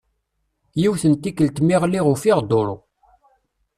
Yiwet n tikelt mi ɣliɣ ufiɣ duṛu.